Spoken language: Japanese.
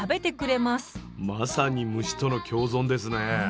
まさに虫との共存ですね。